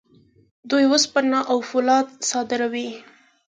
دوی وسپنه او فولاد صادروي.